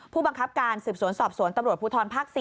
ผู้บังคับการสืบสวนสอบสวนตำรวจภูทรภาค๔